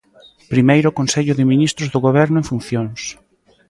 Primeiro Consello de Ministros do Goberno en funcións.